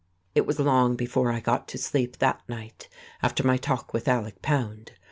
It was long before I got to sleep that night after my talk with Alec Pound.